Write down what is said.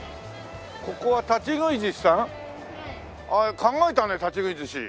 考えたね立ち食いずし。